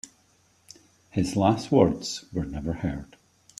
His last words were never heard.